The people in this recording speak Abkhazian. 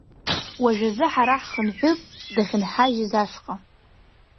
Уажәазы ҳара ҳхынҳәып дахьынҳажьыз ашҟа.